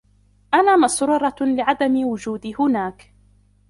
أنا مسرورة لعدم وجودي هناك.